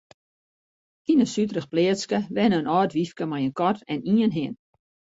Yn in suterich pleatske wenne in âld wyfke mei in kat en ien hin.